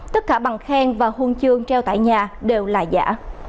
tất cả bằng khen và hôn chương treo tại nhà đều là giả